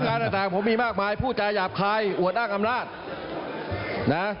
ดังจากผมมีมากมายผู้จัยหยาบคายอวดอ้างอำนาจ